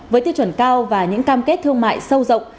với tiêu chuẩn cao và những cam kết thương mại sâu rộng